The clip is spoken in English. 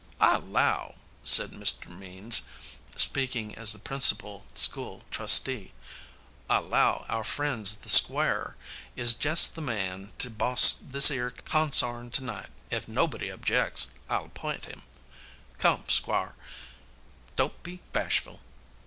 "I 'low," said Mr. Means, speaking as the principal school trustee, "I 'low our friend the Square is jest the man to boss this 'ere consarn to night. Ef nobody objects, I'll app'int him. Come, Square, don't be bashful.